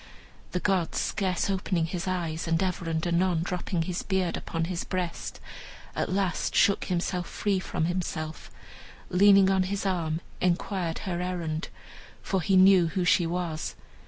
The god, scarce opening his eyes, and ever and anon dropping his beard upon his breast, at last shook himself free from himself, and leaning on his arm, inquired her errand, for he knew who she was.